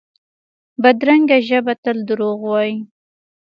بدرنګه ژبه تل دروغ وايي